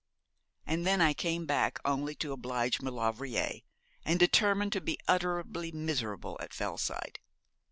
And then I came back, only to oblige Maulevrier, and determined to be utterly miserable at Fellside.